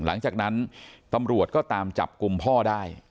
หลังจากนั้นตำรวจก็ตามจับกลุ่มพ่อได้